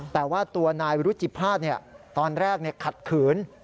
แต่ว่าตัวนายรุจิภาษณ์ตอนแรกขัดขืน